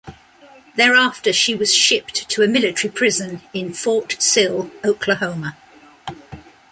Thereafter she was shipped to a military prison in Fort Sill, Oklahoma.